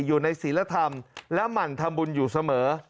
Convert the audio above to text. อยู่ในศิลธรรมและหมั่นทำบุญอยู่เสมอ